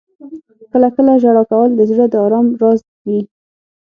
• کله کله ژړا کول د زړه د آرام راز وي.